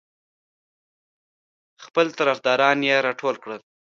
خپل طرفداران یې راټول کړل.